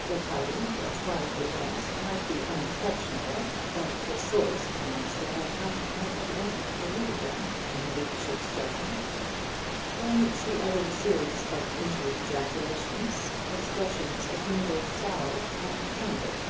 The tidings, as far as they went, might be unexceptionable, but the source from whence they had come had evidently polluted them in her ladyship's judgment. Then she uttered a series of inter ejaculations, expressions of mingled sorrow and anger.